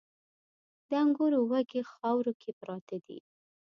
د انګورو وږي خاورو کې پراته دي